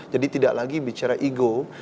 jadi tidak lagi bicara ego